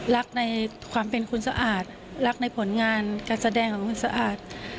รักในผลงานการแสดงของคุณสะอาด